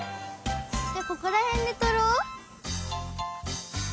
ここらへんでとろう。